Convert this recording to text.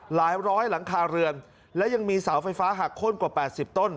หลายร้อยหลังคาเรือนและยังมีเสาไฟฟ้าหักโค้นกว่า๘๐ต้น